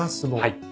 はい。